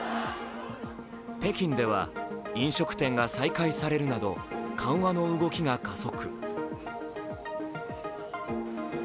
北京では飲食店が再開されるなど緩和の動きが加速。